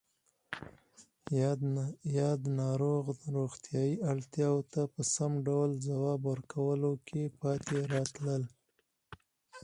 یاد ناروغ روغتیایی اړتیاوو ته په سم ډول ځواب ورکولو کې پاتې راتلل